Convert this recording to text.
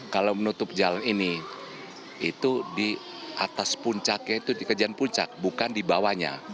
kalau menutup jalan ini itu di atas puncaknya itu di kerajaan puncak bukan di bawahnya